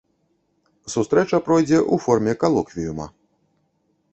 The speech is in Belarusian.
Сустрэча пройдзе ў форме калоквіюма.